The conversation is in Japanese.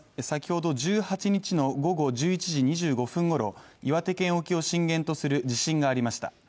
先ほど１８日の午後１１時２５分ごろ岩手県沖を震源とする地震がありました。